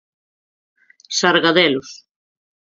Sargadelos.